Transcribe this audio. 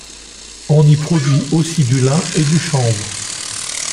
On y produit aussi du lin et du chanvre.